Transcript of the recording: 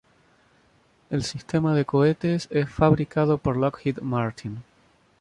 El sistema de cohetes es fabricado por Lockheed Martin.